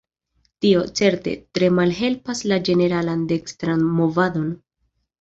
Tio, certe, tre malhelpas la ĝeneralan dekstran movadon.